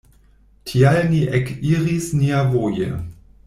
Tial ni ekiris niavoje.